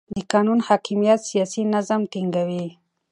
د قانون حاکمیت سیاسي نظم ټینګوي